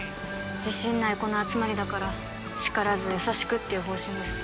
自信ない子の集まりだから叱らず優しくっていう方針です